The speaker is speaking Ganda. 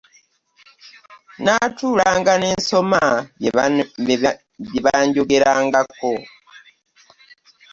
Natuulanga ne nsoma bye banjogerangako.